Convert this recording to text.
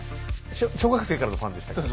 小学生からのファンでしたっけ？